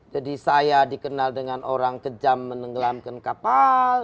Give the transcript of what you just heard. saya dikenal dengan orang kejam menenggelamkan kapal